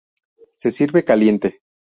Se sirve caliente.